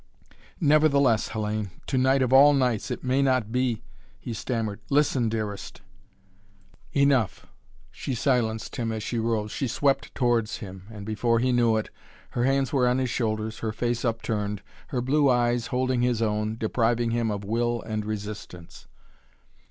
"Nevertheless, Hellayne, to night of all nights it may not be " he stammered. "Listen, dearest " "Enough!" she silenced him, as she rose. She swept towards him and, before he knew it, her hands were on his shoulders, her face upturned, her blue eyes holding his own, depriving him of will and resistance.